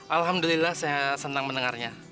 alhamdulillah saya senang mendengarnya